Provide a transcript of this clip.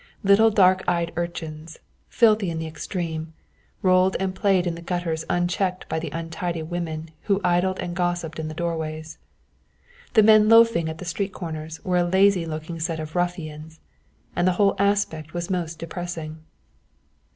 Little dark eyed urchins, filthy in the extreme, rolled and played in the gutters unchecked by the untidy women who idled and gossiped in the doorways. The men loafing at the street corners were a lazy looking set of ruffians, and the whole aspect was most depressing.